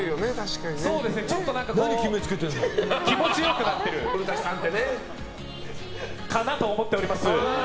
気持ち良くなってるかなと思っております。